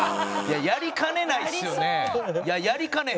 やりかねないですよね。